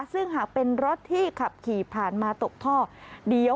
ซึ่งหากเป็นรถที่ขับขี่ผ่านมาตกท่อเดี๋ยว